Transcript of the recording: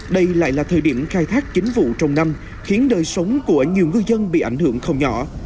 đây lại là thời điểm khai thác chính vụ trong năm khiến đời sống của nhiều ngư dân bị ảnh hưởng không nhỏ